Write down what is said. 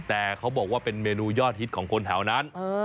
แต่เขาบอกว่าเป็นเมนูยอดฮิตของคนแถวนั้น